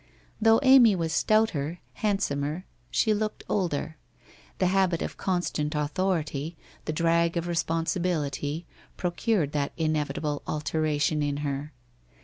Though Amy was stouter, handsomer, she looked older. The habit of constant authority, the drag of responsibility, procured that inevitable alteration in her.